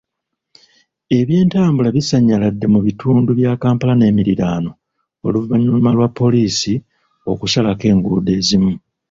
Ebyentambula bisannyaladde mu bitundu bya Kampala n'emiriraano oluvannyuma lwa poliisi okusalako enguudo ezimu